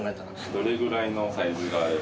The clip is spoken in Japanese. どれぐらいのサイズがあれば。